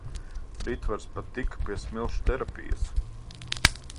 Ritvars pat tika pie smilšu terapijas.